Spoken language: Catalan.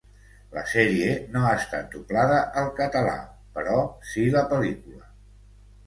La sèrie no ha estat doblada al català, però sí la pel·lícula.